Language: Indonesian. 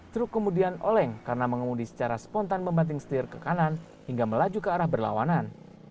truk kemudian oleng karena mengemudi secara spontan membanting setir ke kanan hingga melaju ke arah berlawanan